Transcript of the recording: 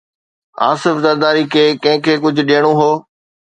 آصف زرداري کي ڪنهن کي ڪجهه ڏيڻو هو.